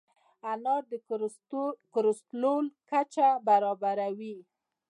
انار د کولیسټرول کچه برابروي.